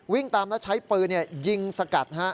ตามแล้วใช้ปืนยิงสกัด